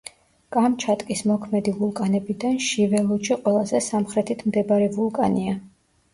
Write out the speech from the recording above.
კამჩატკის მოქმედი ვულკანებიდან შიველუჩი ყველაზე სამხრეთით მდებარე ვულკანია.